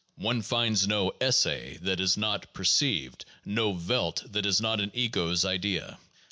One finds no '' esse '' that is not perceived, no "Welt" that is not an ego's idea.